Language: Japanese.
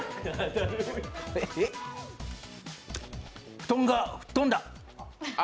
布団が吹っ飛んだ！